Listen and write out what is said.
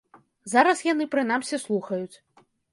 Зараз яны, прынамсі, слухаюць.